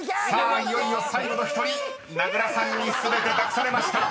［いよいよ最後の１人名倉さんに全て託されました］